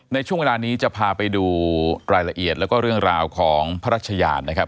ในช่วงเวลานี้จะพาไปดูรายละเอียดแล้วก็เรื่องราวของพระราชยานนะครับ